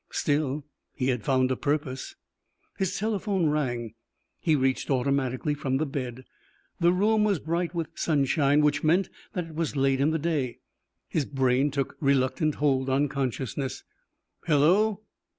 Still, he had found a purpose. His telephone rang. He reached automatically from the bed. The room was bright with sunshine, which meant that it was late in the day. His brain took reluctant hold on consciousness. "Hello?"